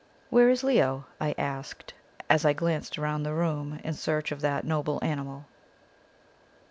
"Where is Leo?" I asked, as I glanced round the room in search of that noble animal.